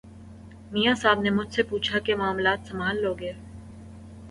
میاں صاحب نے مجھ سے پوچھا کہ معاملات سنبھال لو گے۔